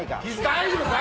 大丈夫です。